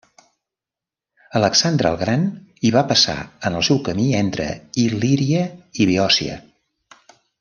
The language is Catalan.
Alexandre el Gran hi va passar en el seu camí entre Il·líria i Beòcia.